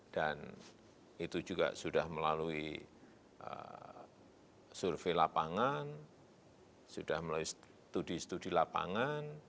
dan itu juga sudah melalui survei lapangan sudah melalui studi studi lapangan